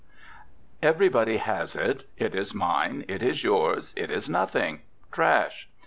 Everybody has it. It is mine, it is yours, it is nothing trash.